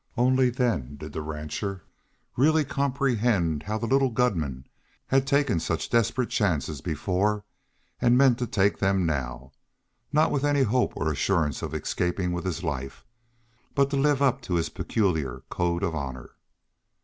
Only then did the rancher really comprehend how the little gunman had taken such desperate chances before, and meant to take them now, not with any hope or assurance of escaping with his life, but to live up to his peculiar code of honor.